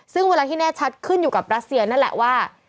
ซึ่งเวลาที่แน่ชัดขึ้นอยู่กับรัสเซียนั่นแหละว่า